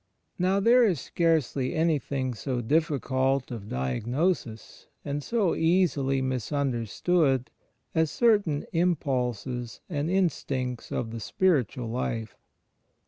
Now there is scarcely anything so diflGicult of diag nosis and so easily misunderstood as certain impulses and instincts of the spiritual life.